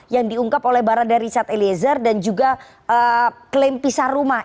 yang diungkap oleh barada richard eliezer dan juga klaim pisah rumah